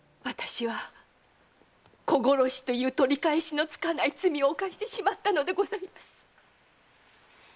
私は子殺しという取り返しのつかない罪を犯してしまったのでございます。